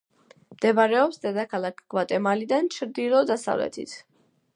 მდებარეობს დედაქალაქ გვატემალიდან ჩრდილო–დასავლეთით.